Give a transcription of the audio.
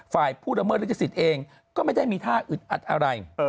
ฝ่ายผู้ละเมิดลิขสิทธิ์เองก็ไม่ได้มีท่าอึดอัดอะไร